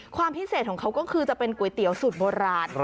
ความพิเศษของเขาก็คือจะเป็นก๋วยเตี๋ยวสูตรโบราณ